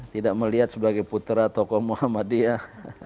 tidak melihat sebagai putera toko muhammadiyah